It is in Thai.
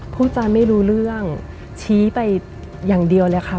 พูดจาไม่รู้เรื่องชี้ไปอย่างเดียวเลยค่ะ